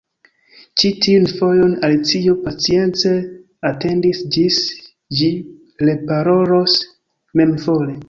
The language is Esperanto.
Ĉi tiun fojon Alicio pacience atendis ĝis ĝi reparolos memvole.